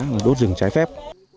để đốt rừng trái phép